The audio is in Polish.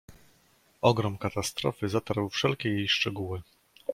"Ogrom katastrofy zatarł wszelkie jej szczegóły."